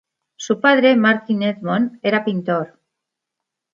Su padre, Martin Edmond, era pintor.